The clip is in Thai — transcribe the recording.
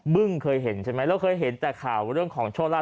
มึงเคยเห็นใช่ไหมแล้วเคยเห็นแต่ข่าวเรื่องของช่วงล่า